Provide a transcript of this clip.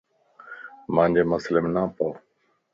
مانجي مسليم نه پئو